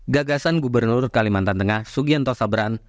gagasan gubernur kalimantan tengah sugianto sabran